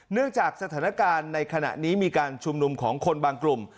เนื่องจากสถานการณ์ในขณะนี้มีการชุมนุมของคนบางกลุ่ม